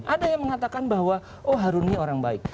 ada yang mengatakan bahwa oh harun ini orang baik